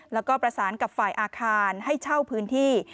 แล้วก็ประสานกับฝ่ายอาคารให้เช่าพื้นที่